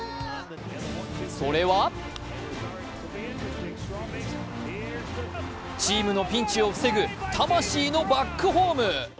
それはチームのピンチを防ぐ魂のバックホーム。